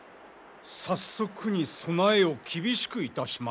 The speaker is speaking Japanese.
早速に備えを厳しくいたしましょう。